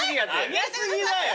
上げ過ぎだよ。